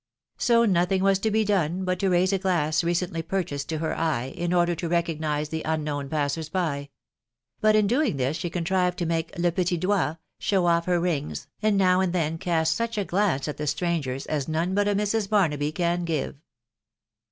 So nothing was to be done but to raise a glass* recently purchased to her eye, in order to recog nise the unknown passers by; but in doing this she contrived to make " le petit doigt" show off her rings, and now and then cast such a glance at the strangers as none but a Mrs. Barnaby can give.